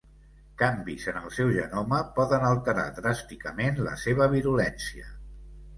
Canvis en el seu genoma poden alterar dràsticament la seva virulència.